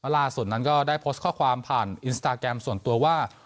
ล่าสุดนั้นก็ได้โพสต์ข้อความผ่านอินสตาแกรมส่วนตัวว่า